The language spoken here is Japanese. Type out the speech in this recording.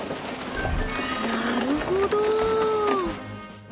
なるほど！